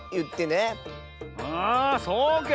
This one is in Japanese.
あそうけ。